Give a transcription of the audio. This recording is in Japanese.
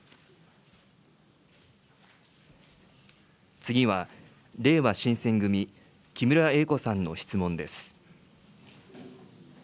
次はれいわ新選組、木村英子さんの質問です。